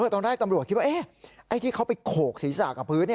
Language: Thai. ตอนแรกตำรวจคิดว่าไอ้ที่เขาไปโขกศีรษะกับพื้น